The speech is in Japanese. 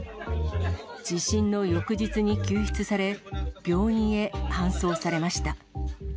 地震の翌日に救出され、病院へ搬送されました。